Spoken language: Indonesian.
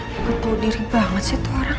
ketakut diri banget sih itu orang